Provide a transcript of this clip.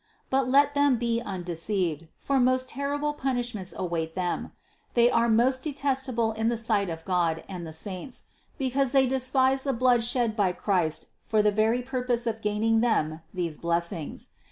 But let them be un deceived, for most terrible punishments await them ; they are most detestable in the sight of God and the saints, because they despise the blood shed by Christ for the very purpose of gaining them these blessings.